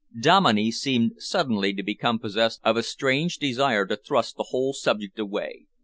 Dominey seemed suddenly to become possessed of a strange desire to thrust the whole subject away.